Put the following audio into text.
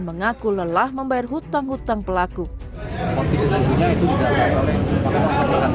mengaku lelah membayar hutang hutang pelaku untuk sesungguhnya itu tidak oleh masyarakat